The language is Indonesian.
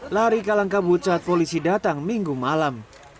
lari ke langkah bucat polisi datang minggu malam